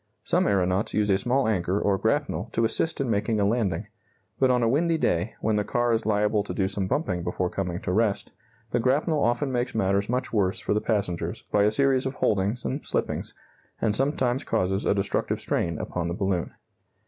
Some aeronauts use a small anchor or grapnel to assist in making a landing, but on a windy day, when the car is liable to do some bumping before coming to rest, the grapnel often makes matters much worse for the passengers by a series of holdings and slippings, and sometimes causes a destructive strain upon the balloon.